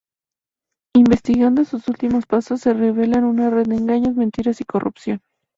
Investigando sus últimos pasos, se revelan una red de engaños, mentiras y corrupción.